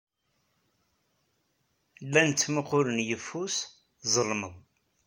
Llan ttmuqqulen yeffus, zelmeḍ.